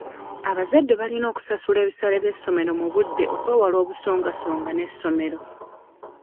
Abazadde balina okusasula ebisale by'essomerro mu budde okwewala obusongasonga n'essomero.